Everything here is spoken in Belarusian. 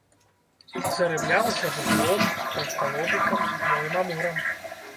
Зарыблялася вугром, таўсталобікам, белым амурам.